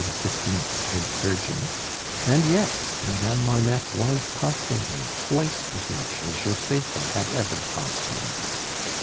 's head surgeon, and yet Madame Marneffe was costing him twice as much as Josepha had ever cost him.